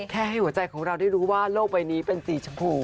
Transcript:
ให้หัวใจของเราได้รู้ว่าโลกใบนี้เป็นสีชมพู